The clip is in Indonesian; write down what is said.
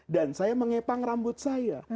dan saya mengepang rambut saya